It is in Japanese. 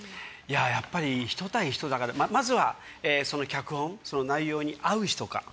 やっぱり、人対人だからまずは脚本、内容に合う人か。